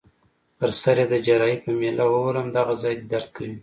پر سر يي د جراحۍ په میله ووهلم: دغه ځای دي درد کوي؟